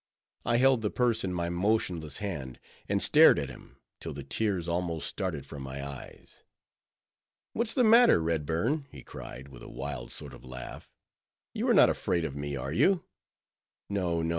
I held the purse in my motionless hand, and stared at him, till the tears almost started from my eyes. "What's the matter, Redburn?" he cried, with a wild sort of laugh—"you are not afraid of me, are you?—No, no!